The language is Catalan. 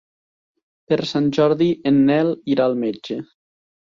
Per Sant Jordi en Nel irà al metge.